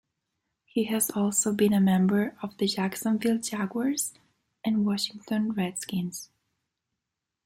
He has also been a member of the Jacksonville Jaguars and Washington Redskins.